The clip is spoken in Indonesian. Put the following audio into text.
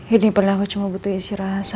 ini perlahanku cuma butuh isi rasa